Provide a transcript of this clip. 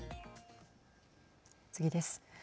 次です。